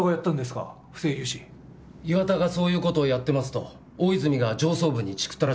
岩田がそういう事をやってますと大泉が上層部にチクったらしいんです。